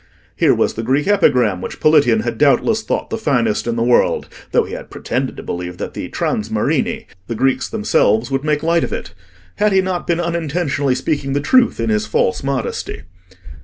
Here was the Greek epigram which Politian had doubtless thought the finest in the world, though he had pretended to believe that the "transmarini," the Greeks themselves, would make light of it: had he not been unintentionally speaking the truth in his false modesty?